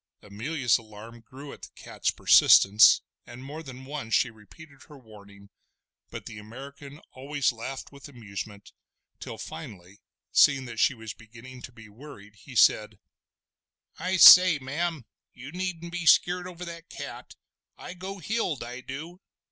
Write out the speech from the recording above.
Amelia's alarm grew at the cat's persistence, and more than once she repeated her warning; but the American always laughed with amusement, till finally, seeing that she was beginning to be worried, he said: "I say, ma'am, you needn't be skeered over that cat. I go heeled, I du!"